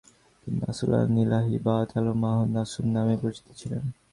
তিনি নাসুল আল-সিলাহি বা তলোয়ারমানব নাসুহ নামেও পরিচিত ছিলেন।